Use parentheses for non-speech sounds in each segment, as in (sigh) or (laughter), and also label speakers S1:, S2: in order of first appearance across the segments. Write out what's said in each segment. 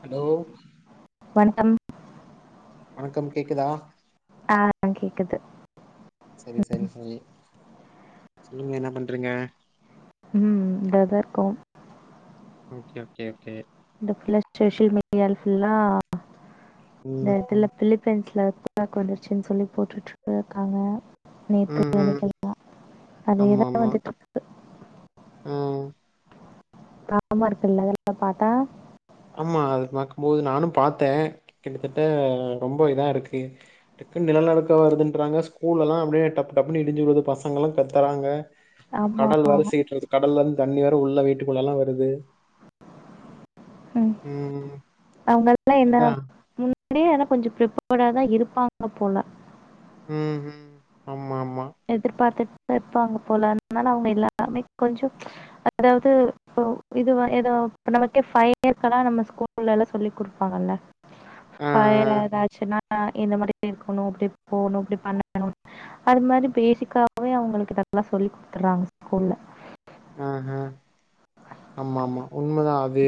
S1: Hello
S2: வணக்கம்
S1: வணக்கம் கேக்குதா
S2: ஆ கேக்குது.
S1: சரி சரி சரி சொல்லுங்க என்ன பண்றீங்க
S2: ம் இதாதா இருக்கோம்
S1: ஓகே ஓகே ஓகே
S2: இந்த புள்ள சோஷியல் மீடியால ஃபுல்லா இந்த
S1: ம்
S2: எடத்துல பிலப்பைன்ஸ்ல ஸ்டாக் வந்திருச்சுனு சொல்லி போட்டுட்டு இருக்காங்க நேத்து
S1: ம் ம்
S2: இன்னைக்கெல்லா
S1: ஆமா
S2: அதேதா
S1: ஆமா
S2: வந்துட்டு இருக்கு
S1: ம்
S2: பாவமா இருக்கல்ல அதெல்லா பாத்தா
S1: ஆமா அது பாக்கும்போது நானு பாத்த கிட்டத்தட்ட ரொம்ப இதா இருக்கு க்கு நில நடுக்கோ வருதுன்றாங்க ஸ்கூலெல்லா அப்டியே டப்பு டப்புனு இடிஞ்சு விழுது பசங்கெல்லா கத்தறாங்க
S2: ஆமா.
S1: கடல் வேற சீட்றது கடல்ல இருந்து தண்ணி வேற உள்ள வீட்டுக்குள்ள எல்லா வருது
S2: ம் அவுங்கெல்லா என்ன
S1: அதா
S2: முன் அப்டியே ஆனா கொஞ்சோ ப்ரிப்பேடாதா இருப்பாங்க போல
S1: ம் ஹும் ஆமா ஆமா
S2: எதிர்பார்த்து இது இப்ப அங்க போலானு அதனால அவுங்க எல்லாமே கொஞ்சோ அதாவது இப்போ இது எதோ னோ நமக்கே ஃபயர்க்கெல்லா நம்ம ஸ்கூல்ல எல்லா சொல்லி குடுப்பாங்கல்ல
S1: ஆ
S2: ஃபயர் எதாச்சுனா ஆ இந்த மாரி இருக்கணு அப்டி போணு இப்டி பண்ணணு அது மாரி பேசிக்காவே அவுங்களுக்கு இதெல்லா சொல்லி் குடுத்தறாங்க ஸ்கூல்ல
S1: ஹு ஹு ஆமாமா உண்மதா அது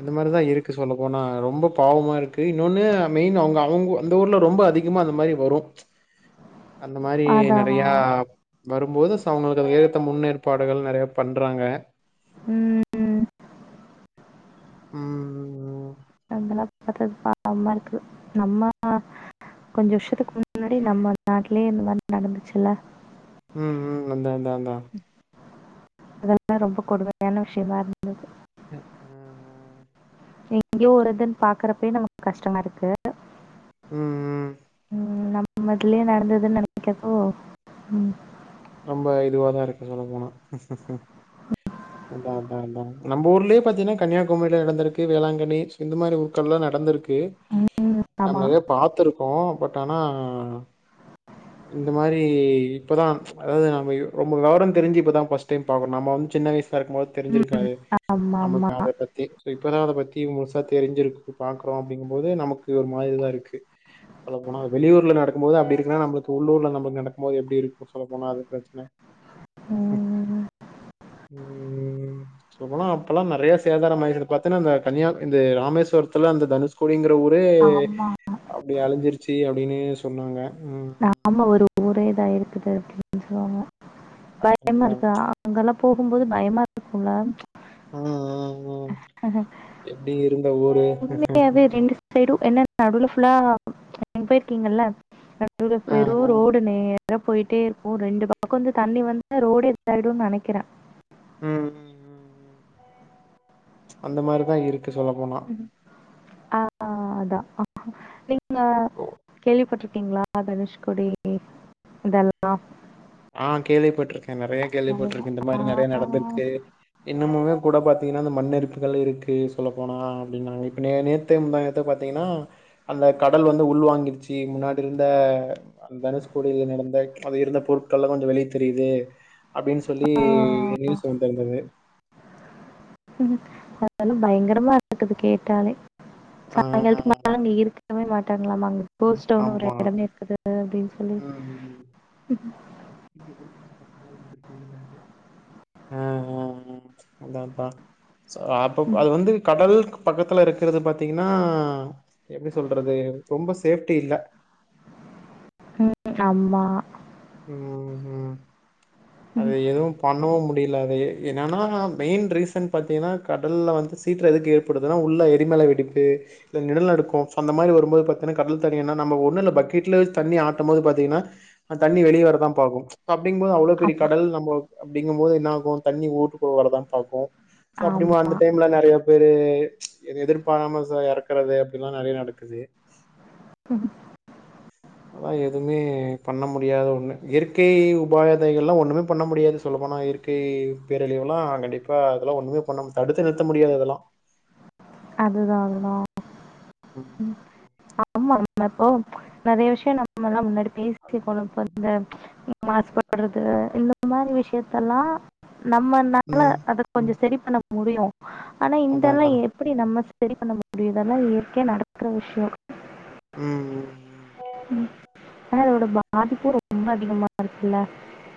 S1: அந்த மாரிதா இருக்கு சொல்ல போனா ரொம்ப பாவமா இருக்கு இன்னொன்னு மெயின் அவுங்க அவுங் அந்த ஊர்ல ரொ ம்ப அதிகமா அந்த மாரி வரு
S2: (inaudible)
S1: அந்த மாரி
S2: அதான்
S1: நெறயா வரும்போது சோ அவுங்களுக்கு ஏ த்து முன்னேற்பாடுகள் நெறயா பண்றாங்க
S2: ம்
S1: ம் ம்
S2: அதெல்லா பாத்தா பாவமா இருக்கு நம்ம கொஞ்சோ வருஷத்துக்கு முன்னாடி நம்ம நாட்லயே இந்த மாரி நடந்துச்சுல்ல
S1: ம் ம் அந்தந்த அந்தா
S2: அதெல்லா ரொம்ப கொடுமையான விஷ்யமா இருந்தது
S1: ம் ம்
S2: எங்கயோ ஒரு இதுன் பாக்கறப்பயே நமக்கு கஷ்டமா இருக்கு
S1: ம், ம்.
S2: ம் நம் மதுலயே நடந்ததுனு நெனக்கறப்போ ம்
S1: ரொம்ப இதுவாதா இருக்கு சொல்ல போனா அதா அதா அதா நம்ம ஊர்லயே பாத்தீனா கன்னியாகுமரில நடந்திருக்கு வேளாங்கண்ணி சோ இந்த மாரி ஊக்கள்லா நடந்திரு க்கு
S2: ம்.
S1: நம்ம
S2: ஆமா.
S1: நெறயா பாத்திருக்கோ பட் ஆனா இந்த மாரி இப்பதா அதாவது நம்ம ரொம்ப வெவர தெரிஞ்சு இப்பதா ஃபஸ்ட் டைம் பாக்குறோ நம்மோ வந் து சின்ன வயசா இருக்கும் போது
S2: ம்.
S1: தெரிஞ்சிருக்காது நமக்கு
S2: ஆமாமா.
S1: அத பத்தி இப்பதா அத பத் தி முழுசா தெரிஞ்சிருக்கு பாக்குறோ அப்படிங்கும்போது நமக்கு ஒரு மாரிதாருக்கு சொல்ல போனா வெளியூர்ல நடக்கும் போது அப்படி இருக்குன்னா நம்மளுக்கு உள்ளூர்ல நம்ம நடக்கும் போது எப்டி இருக்கு சொல்ல போனா அது பிரச்சன
S2: ம்.
S1: ம் சொல்லபோனா அப்பெல்லா நெறைய சேதாரம் ஆயிருக்கு பாத்தனா இந்த கன்னியா இந்த ராமேஸ்வரத்துல அந்த தனுஷ்கோடிங்குற ற ஊரே
S2: ஆமா.
S1: அப்டி அழிஞ்சிருச்சு அப்டின்னு சொன்னாங்க உம்
S2: ஆமா ஒரு ஊரே இதா இருக்குது அப்டின்னு சொல்வாங்க
S1: அதான்
S2: பயமா
S1: அதான்.
S2: இருக்கு அங்கெல்லாம் போகும்போது பயமா இருக்கும்ல
S1: ம் ம் ம் எப்டி இருந்த ஊரு
S2: சைடு என்ன நடுவுல ஃபுல்லா நீங்க போயிருக்கீங்கல்ல நடுவுல
S1: ஆ
S2: வெறும் ரோடு நே ரா போயிட்டே இருக்கு ரெண்டு பக்கம் வந்து தண்ணி வந்து ரோடே இது ஆயிடும்னு நெனைக்கிற
S1: ம் ம் ம் ம் அந்த மாரிதா இருக்கு சொல்ல போனா
S2: ம். ஆ அதா நீங்க
S1: ஓ
S2: கேள்விப்பட்டிரு க்கிங்களா தனுஷ்கோடி இதெல்லா
S1: ஆ கேள்விப்பட்டிருக்க நெறைய
S2: நெறையா.
S1: கேள்விப்பட்டிருக்க இந்த
S2: ஆ.
S1: மாரி நெறையா நடந்திருக்கு இன்னுமுமே கூட பாத் தீங்கன்னா இந்த மண்ணரிப்புகள் இருக்கு சொல்ல போனா அப்டினாங்க இப்ப நே நேத்தே முந்தாநேத்தோ பாத்தீங்கன்னா அந் த கடல் வந்து உள்வாங்கிடுச்சு முன்னாடி இருந்த தனுஷ்கோடியில நடந்த அது இருந்த பொருட் கள்ளா கொஞ்சொ வெளிய தெரிது அப்டின்னு சொல்லி நியூஸ் வந்திருந்தது.
S2: (inaudible) அதல்லா பயங்கரமா இருக்குது கேட்டாலே
S1: ஆ
S2: சாயங்காலத்துக்கு மேல நீ இருக் கவே மாட்டாங்களாமா அங்க போஸ்டோன்னு ஒரு
S1: ஆமா
S2: எடமே இருக்குது அப்படின் சொல்லி
S1: (inaudible) தோன்றினார்கள் அ அ அ அதா அதா சோ அப்பப்ப
S2: ம்.
S1: அது வந்து கடல் பக்கத்துல இருக்கறது பாத்தீங்கன்னா எப்டி சொல்றது ரொம்ப சேஃப்ட்டி இல்ல.
S2: ம் ஆமா
S1: ம் ம் அது
S2: ம்.
S1: எதுவும் பண்ணவும் முடிய ல்ல அது எ என்னனா மெயின் ரீசன் பாத்தீங்கன்னா கடல்ல வந்து சீற்ற எதுக்கு ஏற்படுதுன்னா உள்ள எரிமல வெடிப்பு இல்ல நிலநடுக்கோ சோ அந்த மாரி வரும்போது பாத்தினா கடல் தண்ணி என்னா நம்ப ஒன்னு இல்ல பக்கெட்ல தண்ணி ஆட்டம் போது பாத்தீங்கன்னா அந் தண்ணி வெளிய வரதா பாகும் அப்படிங்போது அவ்ளோ பெரிய
S2: ஆமா
S1: கடல் நம்பொ அப்படிங்கம்போது என்னாகும் தண்ணி ஊட்டுக்குள்ள வரதான் பாக்கூ சோ அப்டிங்கம்
S2: ஆமா
S1: போது அந்த டைம்ல நெறைய பேரு எதிர்பாராம ச எறக்குறது அப்டில்லா நெறைய நடக்குது.
S2: ம்ஹும்
S1: வா எதுமே பண்ண முடி டியாத ஒன்னு இயற்கை உபாதைகள்ளா ஒன்னுமே பண்ண முடியாது சொல்லப்போனா இயற்கை பேரழிவுகளா கண்டிப்பா அதெல்லா ஒன்னுமே பண்ணமு தடுத்து நிறுத்த முடியாது அதெல்லா
S2: அதுதா அதுதா ம் ஆமா ஆமா இப்போ நெறைய விஷ்யொ நம்மல்லா முன்னடி (inaudible) இந்த மாரி விஷயத்தல்லாம் நம்மனால
S1: ம்
S2: அத கொஞ்சொ செரி பண்ண முடியு ஆனா
S1: அதா
S2: இந்தெல்லா
S1: அதா
S2: எப்படி நம்ம ச சரி பண்ண முடியு இதல்லா இயற்கையா நடக்குற விஷ்யோ
S1: ம் ம் ம்
S2: ஆனா அதோட பாதிப்பு ரொம்ப அதிகமா இருக்குல்ல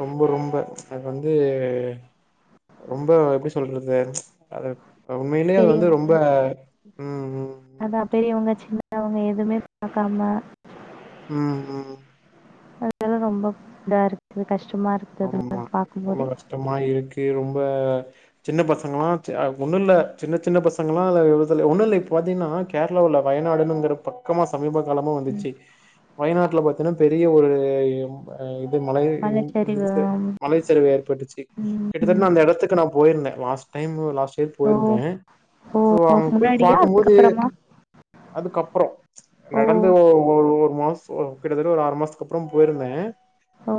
S1: ரொம்ப ரொம்ப அது வந்து ரொம்ப எப்டி சொல்றது அது அ உண்மைலேயே அது வந்து ரொம்ப ம் ம்
S2: அதா பெரியவங்க சின்னவங்க எதுவுமே பாக்காம
S1: ம் ம்
S2: அதல்லா ரொம்ப இதாருக்கு கஷ்ட
S1: ஆமா ரொம்ப கஷ்டமா இருக்கு ரொம்ப சின்ன பசங்களா செ அ ஒன்னுல்ல சின்ன சின்ன பசங்களா (unintelligible) ஒன்னுல்ல இப் பாத்தீயன்னா கேரளாவுல வயநாடுனுங்குற பக்கமா சமீபத் காலம
S2: ம்.
S1: வந்துச்சு வயநாட்டல பாத்தீன்னா பெரிய ஒரு அ இ மலை
S2: மலைச்சரிவு
S1: அ மலைச்சரிவு ஏற்பட்டுச்சு
S2: ம்.
S1: கிட்டத்தட்ட அந்த எடத்துக்கு நா போயிருந்தே லாஸ்ட் டைமு லாஸ்ட் செர்
S2: ஓ
S1: போயிருந்தே
S2: ஓ
S1: சோ
S2: ஓ
S1: அங்க போயி
S2: முன்னாடியா?
S1: பாக்கும்போது
S2: அதுக்கப்புறமா?
S1: அதுக்கப்பறோ
S2: ஓ
S1: நடந்து ஒ ஒரு மாசோ கிட்டத்தட்ட ஒரு ஆறு மாசத்துக்கு அப்பறோ போயிருந்தே
S2: ஓ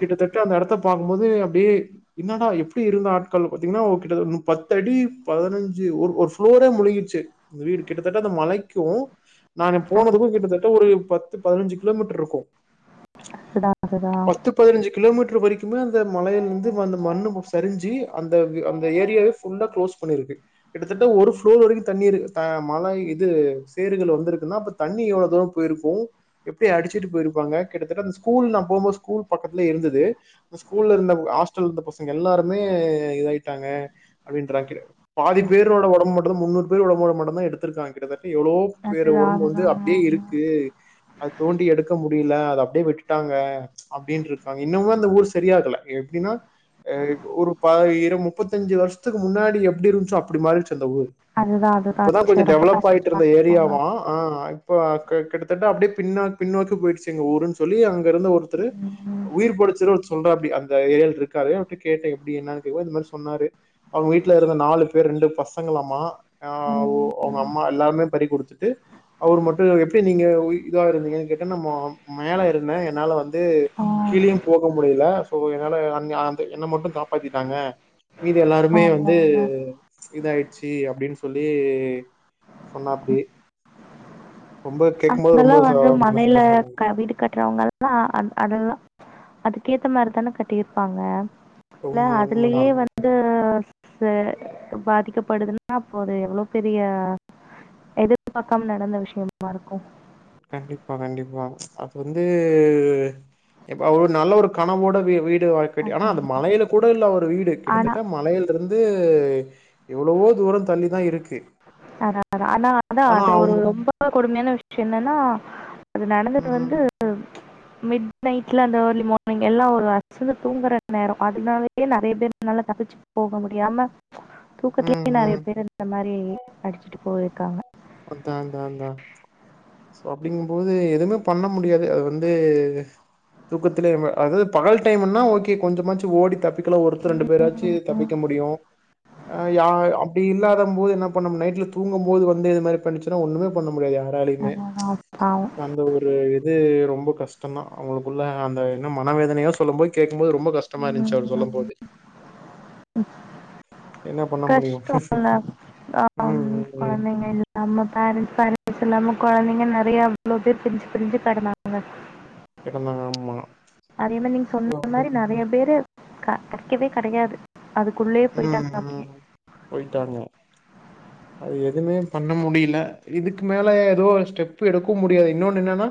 S1: கிட்டத்தட் எடத்த பாக்கும்போது அப்டியே என்னடா எப்புடி இருந்த ஆட்கள் பாத்தீங்கன்னா ஓ கிட்ட தட்ட பத்து அடி பதுனொ ஞ்சு ஒரு ப்ளோரே முழுகிட்ச்சு வீடு கிட்டத்தட்ட அந்த மழைக்கும் நானு போனதுக்கு
S2: அதுதான்
S1: கிட்டத்தட்ட ஒரு பத்து பதுனஞ்சு கிலோமீட்டர் இருக்கூ
S2: செதா செதா
S1: மீட்டர் வரைக்குமே அந்த மலையில இருந்து வந்த மண்ணு சரிஞ்சி அந்த அந்த ஏரியாவ ஃபுல்லா க்ளோஸ் பண்ணி இருக்கு கிட்டத்தட்ட ஒரு ஃபுளோர் வரைக்கு தண்ணீர் அ மழை இது சேறுகள் வந்துருக்குன்னா அப்ப தண்ணீர் க்க அதுவா போயிருக்கு எப்டி அடிச்சிட்டு போயிருப்பாங்க கிட்டத்தட்ட அந்த ஸ்கூல் நா போகும்போது ஸ்கூல் பக்கத்து இருந்துது ஸ்கூல் இருந்த ஹாஸ்டல் இருந்த பசங்க எல்லாருமே இதாயிட்டாங்க அப்டின்ற (unintelligible) பாதி
S2: சரி.
S1: பேரோட ஒடம்பு மட்டுந்தா முன்னூறு பேர் ஒடம்போட மட்டுந்தா எடுத்துருக்காங்க கிட்டத்தட்ட எவ்ளோ பேர்
S2: அதுதான்
S1: ஒடம்பு வந்து
S2: அதுதான்
S1: அப்டியே இருக்கு அது தோண்டி எடுக்க முடியல அது அப்டியே விட்டுட்டாங்க அப்டின்ருக்கு இன்னமுமா அந்த ஊர் சரியாகல எப்டின்னா அ ஒரு பாயிரம் முப்பத்தஞ்சு வருஷத்துக்கு முன்னாடி முன்னாடி எப்டி இருந்துச்சோ அப்டி மாறிடுச்சு இந்தந்த ஊர்
S2: அதுதான் அதுதான்.
S1: இப்பதா கொஞ்ச
S2: சரி ரொம்ப
S1: டெவலப் ஆயிட்டு
S2: கஷ்டமா
S1: இருந்த
S2: இருக்கும்ல.
S1: ஏரியாவு ஆ இப்ப கிட்டத்தட்ட அப்டியே பின்னா பின்னோக்கி போயிடுச்சு எங்க ஊருன்னு சொல்லி அங்க இருந்த ஒருத்தரு
S2: ம்.
S1: உயிர் போயிடுச்சுனு ஒருத்தர் சொல்றார் அப்டி அந்த ஏரியில இருக்காரு அவிட்ட கேட்டே எப்டி என்னான்னு கேது இந்த மாரி சொன்னாரு அவுங்க வீட்டுல இருந்த நாலு பேரு ரெண்டு பசங்கலாம்மா அ உ
S2: ம்.
S1: அவுங்க அம்மா எல்லாருமே பறி குடுத்துட்டு அவரு மட்டு எப்டி நீங்க இதா இருந்தீங்கன்னு கேட்ட நம்ம மேல இருந்தே என்னால வந்து
S2: ஆ
S1: கீழேயு போக முடியல சோ என்னால அ அந்த என்ன மட்டு காப்பாத்திட்டாங்க மீதி எல்லாருமே
S2: ஆமா
S1: வந்து
S2: ஆமா.
S1: இதாயிடுச்சு அப்டின்னு சொல்லி சொன்னா அப்டி
S2: அங்கல்லா வந்து மனையில க வீடு கட்டுறவுங்கல்லா அந் அதெல்லா அதுக்கேத்த மாரிதான கட்டியிருப்பாங்க இல்ல
S1: உண்ம உண்மதா
S2: அதுலயே வந்து ச பாதிக்கப்படுதுன்னா அப்போ அது எவ்ளோ பெரிய எதிர்பாக்காம நடந்த விஷயமா இருக்கூ
S1: கண்டிப்பா கண்டிப்பா அது வந்து இப்ப அவரு ஒரு நல்ல ஒரு கனவோட வீ வீட் (unintelligible)
S2: அதான்
S1: அந்த மலையில் கூட இ அவ ஒரு வீடு
S2: ஆனால்
S1: கிட்டத்தட்ட மலையிலருந்து வந்து எவ்வளவோ தூரோ தள்ளிதா இருக்கு
S2: அதா அதா ஆனா அதா
S1: ஆனா
S2: அது ஒரு
S1: அவங்க
S2: ரொம்ப கொடுமையான விஷயோ என்னன்னா அது நடந்தது
S1: ம்
S2: வந்து மிட் நைட்ல அந்த வர்லி மார்னிங் எல்லா ஒரு அசந்து தூங்குற நேரோ அதுனாலயே நெறைய பேர் நல்ல தப்பிச்சு போக முடியாம
S1: ம்
S2: தூக்கத்திலேயே நெறைய
S1: ம்
S2: பேரு இந்த மாரி அடிச்சுட்டு போயிருக்காங்க
S1: ஒருத்தே அந்தா அந்தா சோ அப்டிங்கும்போது எதுவுமே பண்ண முடியாது அது வந்து தூக்கத்துலேயேவா அதாவது பகல் டைம்னா ஓகே கொஞ்சமாச்சு ஓடி தப்பி க்குல ஒருத்தர் ரெண்டு பேராச்சு
S2: ம்,
S1: தப்பிக்க முடியு யா அப்டி இல்லாதம் போது என்ன பண்ணும் நைட்ல தூங்கும் போது வந்து இது மாரி பண்ணிச்சுன்னா ஒண்ணமே பண்ண முடியாது யாராலயுமே
S2: அதான் அதான் பாவம்
S1: அந்த ஒரு இது ரொம்ப ரொம்ப கஷ்டந்தா அவுங்களுக்குள்ள அந்த என்ன மனவேதனையா சொல்லும் போது கேக் கும்போது ரொம்ப கஷ்டமா இருந்துச்சு அவரு சொல்லும் போது
S2: ம்
S1: என்ன பண்ண முடியும்
S2: கஷ்டம்ல்ல ஆ
S1: ம் ம் ம்
S2: குழந்தைங்க இல்லாம பேரெண்ட்ஸ் பேரெண்ட்ஸ் இல்லாம குழந்தைங்க நெறைய எவ்வளவு பேர் பிரிஞ்சு பிரிஞ்சு கெடந்தாங்க
S1: கெடந்தாங்க ஆமா
S2: அதே மாரி நீங்க
S1: சோ
S2: சொன்ன
S1: அப்டி
S2: மாரி நெறைய பேரு க கெடைக்கவே கெடையாது அதுக்குள்ளயே
S1: ம்
S2: போயிட்டாங்க அப்டியே
S1: ம் போயிட்டாங்க அது எதுவுமே பண்ண முடியல இதுக்கு மேல ஏதோ ஸ்டெப்பு எடுக்க முடியாது இன்னொன்னு என்னன்னா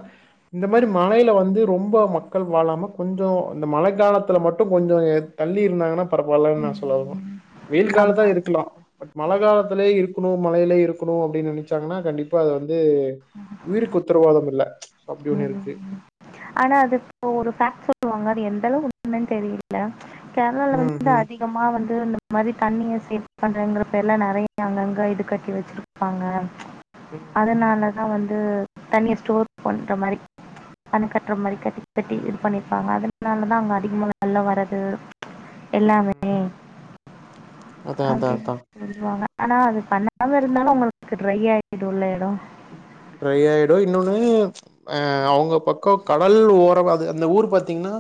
S1: இந்த மாரி மழையில வந்து ரொம்ப மக்கள் வாழாம கொஞ்ச இந்த மழை காலத்துல மட்டு கொஞ்ச தள்ளி இருந்தாங்கன்னா பரப்பாயில்லன்னு நான் சொல்லவரேன்
S2: ம்
S1: வெயில்
S2: ஆமா
S1: காலத்தான் இருக்கலாம் பட் மழை காலத்திலயே இருக்கணும் மழையில இருக்கணும் அப்படின்னு நினைச்சாங்கன்னா கண்டிப்பா அது வந்து உயிருக்கு உத்தரவாதம் இல்ல அப்டி ஒண்ணு இருக்கு
S2: ம் ஆனா அது இப்ப ஒரு பேக் சொல்லுவாங்க அது எந்த வு தெரியல கேரளா ல
S1: ம்
S2: வந்து
S1: ம்
S2: அதிகமா வந்து இந்த மாரி தண்ணிய சேவ் பண்றங்கற பேர்ல நறைய அங்கங்க இது கட்டி வச்சிருப்பாங்க
S1: ம் ம்
S2: அதனாலதான் வந்து தண்ணிய ஸ்டோர் பண்ற மாரி அண கட்டுற மாரி கட்டி கட்டி இது பண்ணிருப்பாங்க அதனாலதான் அங்க அதிகமா வெள்ள வரது எல்லாமே
S1: ம் அதா அதா
S2: அப்படின்னு
S1: அதா
S2: சொல்லுவாங்க ஆனா அது பண்ணாம இருந்தாலு அவங்களுக்கு ட்ரை ஆகிடுல எடம்
S1: ஹ ட்ரையாயிடும் இன்னொன்னு அ அவங்க பக்கம் கடல் ஓரம் அது அந்த ஊர் பாத்தீங்கன்னா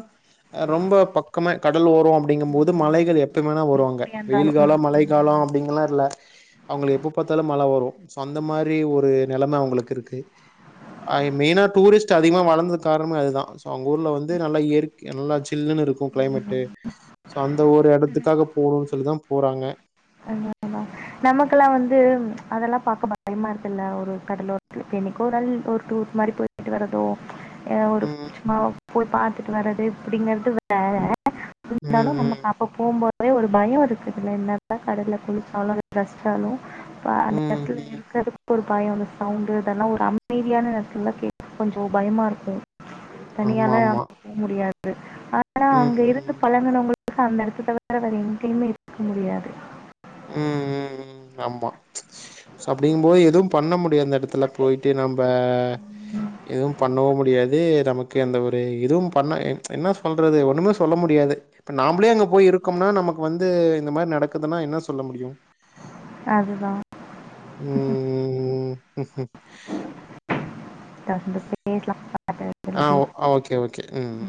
S1: ரொம்ப பக்கம் கட கடல் ஓரம் அப்படிங்கும் போது மலைகள் எப்பவுமேனா வருவாங்க
S2: எப்படியா
S1: வெயில்
S2: இருந்தாலும். ம்.
S1: காலம் மழை காலம் அப்படிங்கலா இல்ல அவங்களுக்கு எப்ப பார்த்தாலும் மழை வரும் சோ அந்த மாரி ஒரு நிலைமை அவங்களுக்கு இருக்கு ஆ மெயினா டூரிஸ்ட் அதிகமா வளர்ந்தது காரணமே அதுதா சோ அவங்க ஊர்ல வந்து நல்லா இயற்கை நல்லாச்சு சில்லன்னு இருக்கு கிளைமேட்டு சோ அந்த ஒரு எடத்துக்காக போணும்ன்னு சொல்லிதான் போறாங்க
S2: ஆமா ஆமா நமக்கெல்லா வந்து அதெல்லா பாக்க பயமா இருக்குல்ல ஒரு கடலோரத்து என்னைக்கு ஒருநாள் ஒரு டூர் மாரி போயிட்டு வரதோ ஒரு
S1: ம்
S2: கொஞ்சமா போய் பார்த்துட்டு வரறது இப்படிங்கறது வேற
S1: ம்
S2: இருந்தாலும்
S1: ம்
S2: நமக்கு அப்ப போம்போதே ஒரு பயம் இருக்குதுல்ல என்ன கடல குளிச்சாலு ரசிச்சாலு அந்த
S1: ம்
S2: எடத்துல
S1: ம்
S2: இருக்கிறதுக்கு ஒரு பயம் சவுண்டு அதெல்லா ஒரு அமைதியான (unintelligible) கே கொஞ்ச பயமா இருக்கு
S1: ஆமா
S2: தனியால
S1: ஆமா
S2: அங்க போக முடியாது ஆனா
S1: ம்
S2: அங்க இருந்த
S1: ம்
S2: பழகன ங்க அந்த எடத்த தவற வேற எங்கயும்மே இருக்க முடியாது
S1: ம் ம் ம் ஆமா அப்படிங்கும் போது எதுவும் பண்ண முடியும் அந்த எடத்துல போயிட்டு நம்ம எதுவும் பண்ணவும் முடியாது நமக்கு அந்த ஒரு இதுவும் பண்ண என்ன சொல்றது ஒண்ணுமே சொல்ல முடியா து இப்ப நாமளே அங்க போய் இருக்கோம்னா நமக்கு வந்து இந்த மாதிரி நடக்குதுன்னா என்ன சொல்ல முடியும்
S2: அதுதா
S1: ம் ம் ம்
S2: தொடர்ந்து பேஸ்லா (unintelligible)
S1: ஆ ஆ ஓகே ஓகே ம் ம்